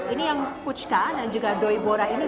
ini yang puchka dan juga doi bora ini